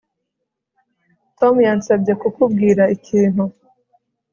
Tom yansabye kukubwira ikintu